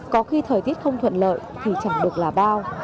có khi thời tiết không thuận lợi thì chẳng được là bao